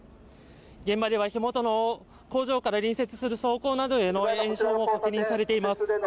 現場では火元の工場から隣接する倉庫などへの影響は確認されています